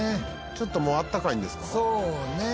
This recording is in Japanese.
「ちょっともうあったかいんですかね」